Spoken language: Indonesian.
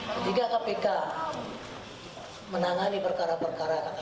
ketika kpk menangani perkara perkara